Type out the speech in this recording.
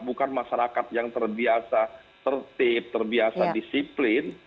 bukan masyarakat yang terbiasa tertib terbiasa disiplin